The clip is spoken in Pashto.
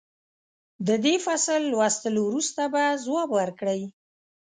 د دې فصل لوستلو وروسته به ځواب ورکړئ.